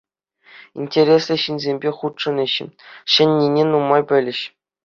Интереслӗ ҫынсемпе хутшӑнӗҫ, ҫӗннине нумай пӗлӗҫ.